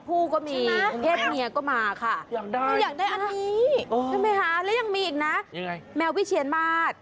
ผู้ก็มีเพศเมียก็มาค่ะอยากได้อันนี้ใช่ไหมคะแล้วยังมีอีกนะแมววิเชียนมาส